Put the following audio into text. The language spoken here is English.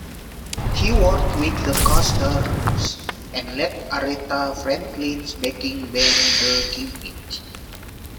He worked with The Coasters, and led Aretha Franklin's backing band the Kingpins.